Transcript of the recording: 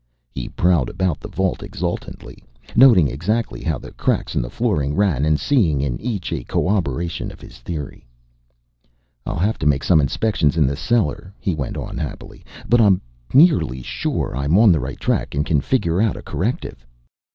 He prowled about the vault exultantly, noting exactly how the cracks in the flooring ran and seeing in each a corroboration of his theory. "I'll have to make some inspections in the cellar," he went on happily, "but I'm nearly sure I'm on the right track and can figure out a corrective."